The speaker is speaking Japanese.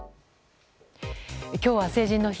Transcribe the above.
今日は成人の日。